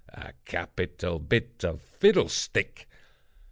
A capital bit of fiddlestick!